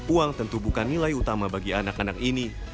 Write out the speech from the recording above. uang tentu bukan nilai utama bagi anak anak ini